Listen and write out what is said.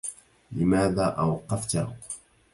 لماذا أوقفته؟